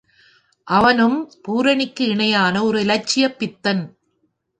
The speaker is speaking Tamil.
அவனும் பூரணிக்கு இணையான ஓர் இலட்சியப் பித்தன்.